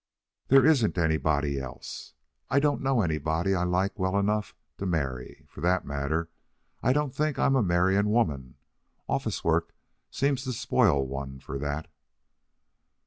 "There isn't anybody else. I don't know anybody I like well enough to marry. For that matter, I don't think I am a marrying woman. Office work seems to spoil one for that."